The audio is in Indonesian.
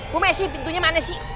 bu messi pintunya mana sih